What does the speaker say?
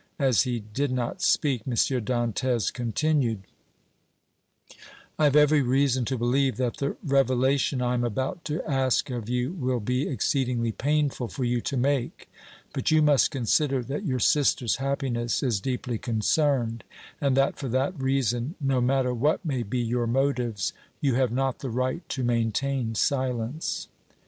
As he did not speak, M. Dantès continued: "I have every reason to believe that the revelation I am about to ask of you will be exceedingly painful for you to make, but you must consider that your sister's happiness is deeply concerned and that, for that reason, no matter what may be your motives, you have not the right to maintain silence."